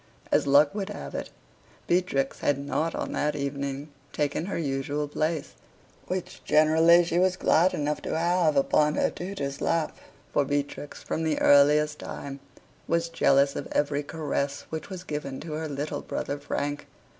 As luck would have it, Beatrix had not on that evening taken her usual place, which generally she was glad enough to have, upon her tutor's lap. For Beatrix, from the earliest time, was jealous of every caress which was given to her little brother Frank.